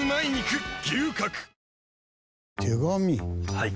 はい。